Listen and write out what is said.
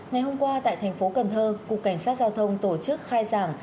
ngày hôm qua tại thành phố cần thơ cục cảnh sát giao thông tổ chức khai giảng